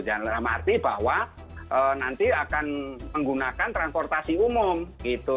dalam arti bahwa nanti akan menggunakan transportasi umum gitu